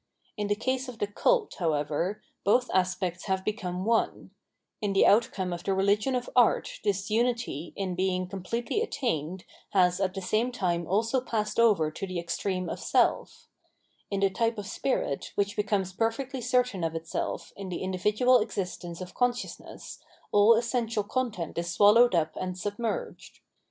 In the case of the cult, however, both aspects have become one ; in the outcome of the re ligion of art this unity in being completely attained has at the same time also passed over to the extreme of self ; in the type of spirit, which becomes perfectly certain of itself in the individual existence of con sciousness, all essential content is swallowed up and submerged.